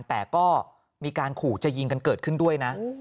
แต่ก็มีการขู่จะยิงกันเกิดขึ้นด้วยนะ